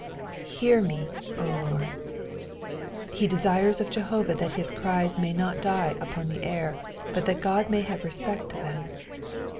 ^^Hear me, Lord." He desires of Jehovah that his cries may not die upon the air, but that Gk>d may have respect to them.